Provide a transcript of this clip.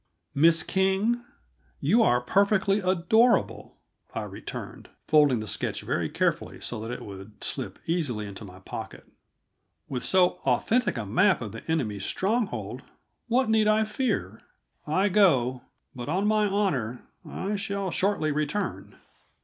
"Miss King, you are perfectly adorable!" I returned, folding the sketch very carefully, so that it would slip easily into my pocket. "With so authentic a map of the enemy's stronghold, what need I fear? I go but, on my honor, I shall shortly return."